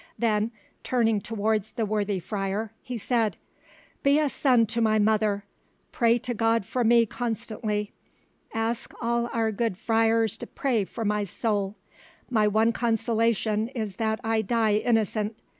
Then turning towards the worthy, friar, he said— "Be a son to my mother; pray to God for me constantly; ask all our good friars to pray for my soul; my one consolation is that I die innocent.